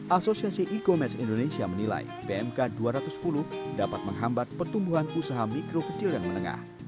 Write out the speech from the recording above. asosiasi e commerce indonesia menilai bmk dua ratus sepuluh dapat menghambat pertumbuhan usaha mikro kecil dan menengah